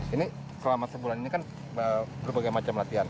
ini selama sebulan ini kan berbagai macam latihan